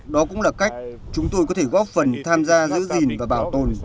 đó cũng là cách chúng tôi có thể góp phần tham gia giữ gìn và bảo tồn